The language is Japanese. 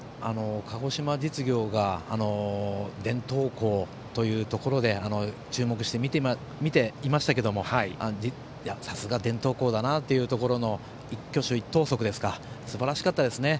鹿児島実業が伝統校というところで注目して見ていましたけどもさすが伝統校だなというところの一挙手一投足ですかすばらしかったですね。